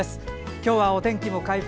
今日はお天気も回復。